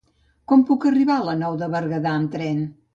Com puc arribar a la Nou de Berguedà amb tren?